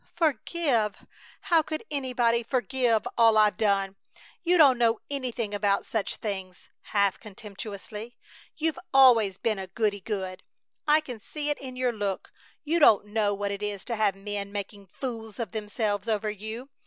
Forgive! How could anybody forgive all I've done! You don't know anything about such things" half contemptuously. "You've always been goody good! I can see it in your look. You don't know what it is to have men making fools of themselves over you!